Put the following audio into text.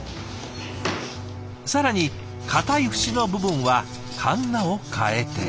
更に硬い節の部分はかんなを換えて。